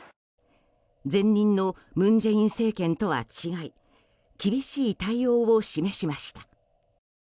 前任の文在寅政権とは違い厳しい対応を示しました。